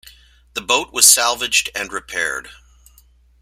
The boat was salvaged and repaired.